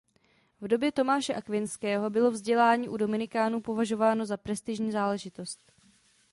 V době Tomáše Akvinského bylo vzdělání u dominikánů považováno za prestižní záležitost.